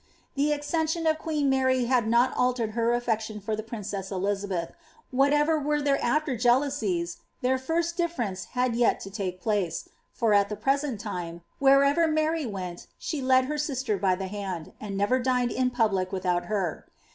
The accession of queen Mary had not altered her afiection for the princess Elizabeth ; whatever were their after jealousies, their first difler ence had yet to take place, for, at the present time, wherever Mary went, she led her sister by the hand,' and never dined in public without her.